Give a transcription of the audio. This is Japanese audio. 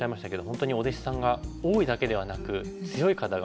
本当にお弟子さんが多いだけではなく強い方が本当にたくさんいて。